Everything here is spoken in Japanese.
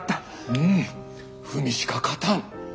うん文しか勝たん。